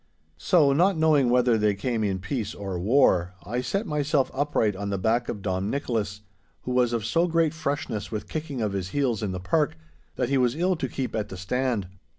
So, not knowing whether they came in peace or war, I set myself upright on the back of Dom Nicholas, who was of so great freshness with kicking of his heels in the park, that he was ill to keep at the stand.